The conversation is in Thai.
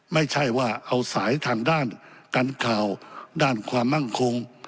ไม่ใช่ว่าเอาสายทางด้านการข่าวด้านความมั่งคง